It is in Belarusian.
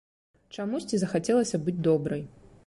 Чамусьці захацелася быць добрай.